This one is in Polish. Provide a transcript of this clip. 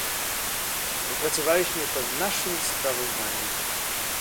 Wypracowaliśmy to w naszym sprawozdaniu